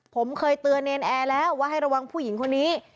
ผมเคยเตือนเนรนแอร์แล้วว่าให้ระวังผู้หญิงคนนี้